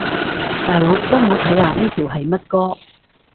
大佬，幫我看下呢條係乜歌